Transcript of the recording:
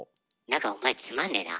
なんかお前つまんねえな。